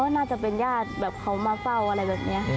น่าจะเป็นญาติแบบเขามาเฝ้าอะไรแบบนี้